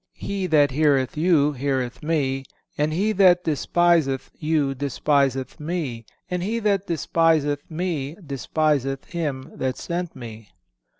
(494) "He that heareth you heareth Me; and he that despiseth you despiseth Me; and he that despiseth Me despiseth Him that sent Me."